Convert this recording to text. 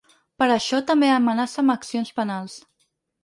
Per això, també amenaça amb accions penals.